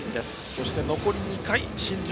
そして、残り２回新庄